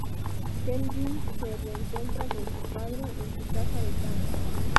Kelvin se reencuentra con su padre en su casa de campo.